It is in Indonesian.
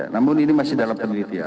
namun ini masih dalam penelitian